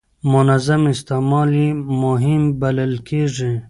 منظم استعمال یې مهم بلل کېږي.